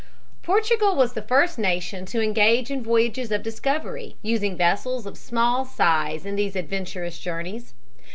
Portugal was the first nation to engage in voyages of discovery, using vessels of small size in these adventurous journeys.